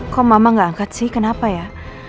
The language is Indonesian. kok mama gak angkat sih kenapa ya